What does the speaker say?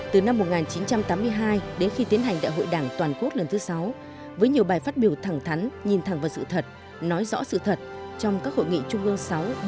từ năm một nghìn chín trăm tám mươi hai đến khi tiến hành đại hội đảng toàn quốc lần thứ sáu với nhiều bài phát biểu thẳng thắn nhìn thẳng vào sự thật nói rõ sự thật trong các hội nghị trung ương sáu khóa một mươi ba